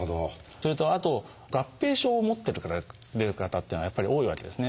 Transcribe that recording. それとあと合併症を持っておられる方っていうのはやっぱり多いわけですね。